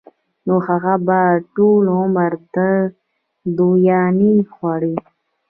نو هغه به ټول عمر دغه دوايانې خوري